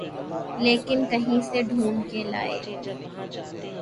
لیکن کہیں سے ڈھونڈ کے لائے۔